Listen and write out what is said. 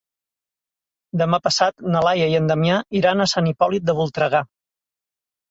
Demà passat na Laia i en Damià iran a Sant Hipòlit de Voltregà.